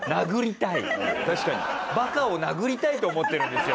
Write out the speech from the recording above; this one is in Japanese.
バカを殴りたいと思ってるんですよ